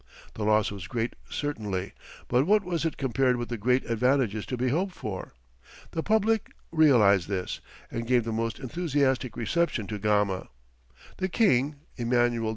The loss was great certainly, but what was it compared with the great advantages to be hoped for? The public realized this, and gave the most enthusiastic reception to Gama. The King, Emmanuel II.